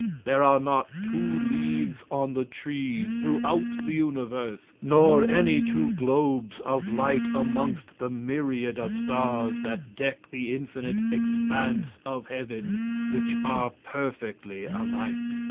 There are not two Leaves on the Trees throughout the Universe, nor any two Globes of Light amongst the Myriad of Stars that deck the infinite Expanse of Heaven, which are perfectly alike.